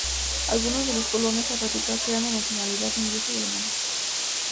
Algunos de los colonos a radicarse eran de nacionalidad inglesa y alemana.